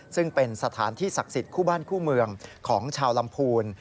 ซึ่งเป็นสถานที่ศักดิ์สิทธิ์คู่บ้านคู่เมืองของชาวลำพูน